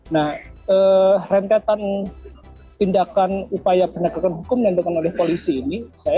nah rentetan tindakan upaya penegakan hukum yang dilakukan oleh polisi ini